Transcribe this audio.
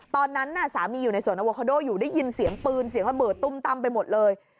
ตอนนั้นน่ะสามีอยู่ในสวนอโวคาโดอยู่ได้ยินเสียงปืนเสียงระเบิดตุ้มตั้มไปหมดเลย